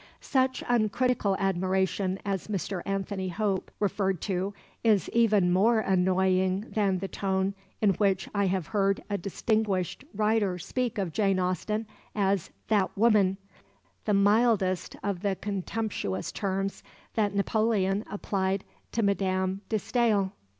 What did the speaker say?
Such uncritical admiration as Mr. Anthony Hope referred to is even more annoying than the tone in which I have heard a distinguished writer speak of Jane Austen as "that woman" the mildest of the contemptuous terms that Napoleon applied to Madame de Staël.